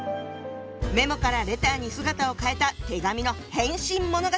「メモ」から「レター」に姿を変えた手紙の変身物語